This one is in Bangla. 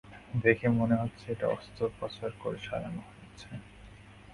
দেখে মনে হচ্ছে এটা অস্ত্রোপচার করে সরানো হয়েছে।